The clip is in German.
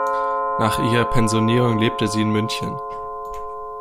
Nach ihrer Pensionierung lebte sie in München.